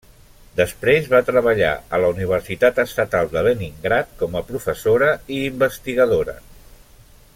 Després va treballar a la Universitat Estatal de Leningrad, com a professora i investigadora.